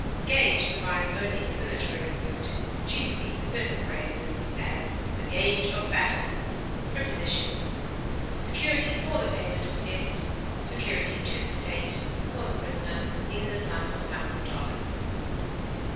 Gage survives only as a literary word, chiefly in certain phrases; as, "the gage of battle." Prepositions: Security for the payment of a debt; security to the state, for the prisoner, in the sum of a thousand dollars.